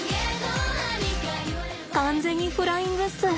完全にフライングっす。